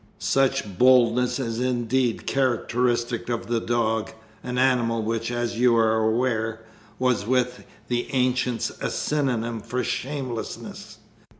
"Such boldness is indeed characteristic of the dog, an animal which, as you are aware, was with the ancients a synonym for shamelessness.